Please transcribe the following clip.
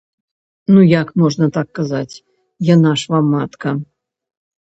Ну, як можна так казаць, яна ж вам матка.